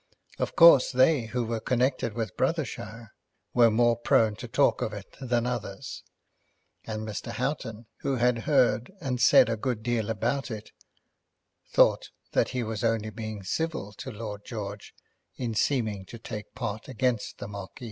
Of course they who were connected with Brothershire were more prone to talk of it than others, and Mr. Houghton, who had heard and said a good deal about it, thought that he was only being civil to Lord George in seeming to take part against the Marquis.